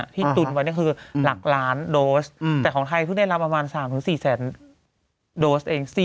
ตุนไว้นี่คือหลักล้านโดสแต่ของไทยเพิ่งได้รับประมาณ๓๔แสนโดสเอง